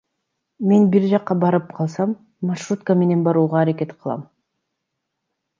Мен бир жакка барып калсам, маршрутка менен барууга аракет кылам.